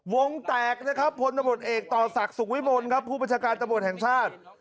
วงแตกผลตะบดเอกต่อศักดิ์สุขวิบลผู้ประชาการตะบดแห่งชาติ